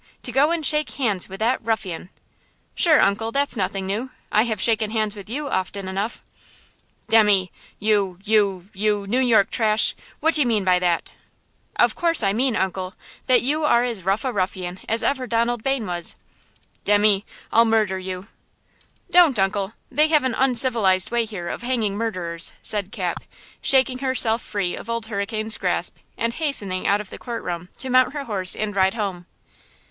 To go and shake hands with that ruffian!" "Sure, uncle, that's nothing new; I have shaken hands with you often enough!" "Demmy, you–you–you New York trash, what do you, mean by that?" "Of course I mean, uncle, that you are as rough a ruffian as ever Donald Bayne was!" "Demmy, I'll murder you!" "Don't, uncle; they have an uncivilized way here of hanging murderers," said Cap, shaking herself free of old Hurricane's grasp, and hastening out of the court room to mount her horse and ride home.